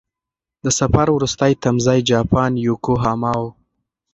د سفر وروستی تمځی جاپان یوکوهاما و.